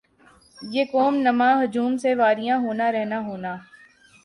یِہ قوم نما ہجوم سے واریاں ہونا رہنا ہونا